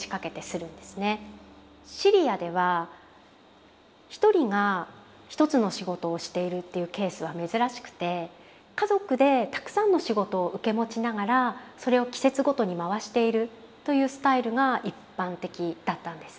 シリアでは１人が１つの仕事をしているというケースは珍しくて家族でたくさんの仕事を受け持ちながらそれを季節ごとに回しているというスタイルが一般的だったんです。